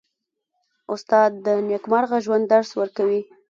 استاد د نېکمرغه ژوند درس ورکوي.